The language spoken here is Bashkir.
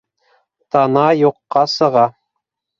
Тана юҡҡа сыға...